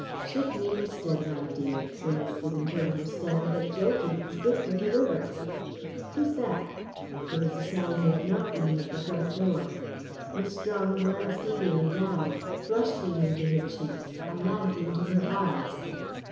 "Shake me instead, my dear. One is given to understand that jolting is good for the liver. Who's that?" There was a sound of knocking at the front door. Miss Strong glanced eagerly round. A flush came into her cheeks; a light into her eyes.